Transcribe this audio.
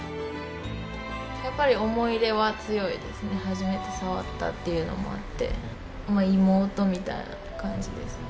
やっぱり思い入れは強いですね、初めて触ったっていうのもあって、妹みたいな感じですね。